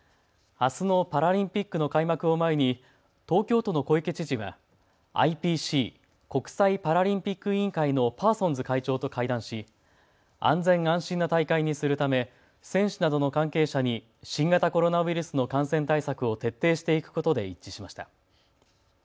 あすのパラリンピックの開幕を前に東京都の小池知事はＩＰＣ・国際パラリンピック委員会のパーソンズ会長と会談し安全安心な大会にするため選手などの関係者に新型コロナウイルスの感染対策を徹底していくことで一致しました。